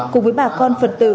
cùng với bà con phật tử